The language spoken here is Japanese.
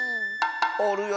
おるよ